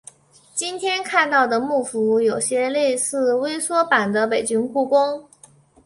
今天看到的木府有些类似微缩版的北京故宫。